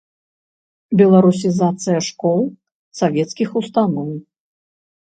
Беларусізацыя школ, савецкіх устаноў.